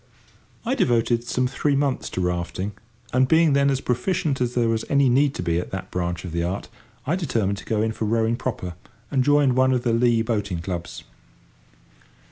I devoted some three months to rafting, and, being then as proficient as there was any need to be at that branch of the art, I determined to go in for rowing proper, and joined one of the Lea boating clubs.